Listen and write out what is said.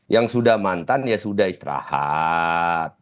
yang sudah mantan ya sudah istirahat